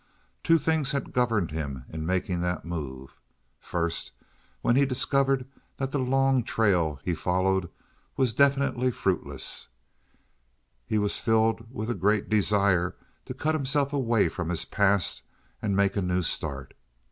Two things had governed him in making that move. First, when he discovered that the long trail he followed was definitely fruitless, he was filled with a great desire to cut himself away from his past and make a new start.